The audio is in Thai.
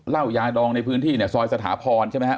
เล่ายาดองในพื้นที่ซอยสถาพรถ์ใช่ไหมครับ